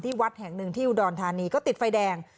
วัดแห่งหนึ่งที่อุดรธานีก็ติดไฟแดง